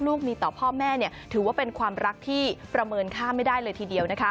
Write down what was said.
ลูกมีต่อพ่อแม่ถือว่าเป็นความรักที่ประเมินค่าไม่ได้เลยทีเดียวนะคะ